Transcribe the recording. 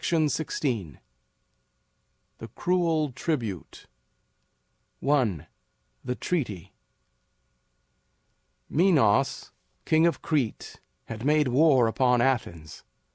THE CRUEL TRIBUTE. I. THE TREATY. Minos, king of Crete, had made war upon Athens.